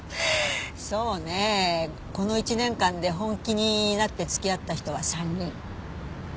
そうねこの１年間で本気になって付き合った人は３人。